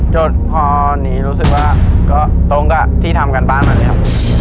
จนพอหนีรู้สึกว่าก็ตรงกับที่ทำการบ้านมาเลยครับ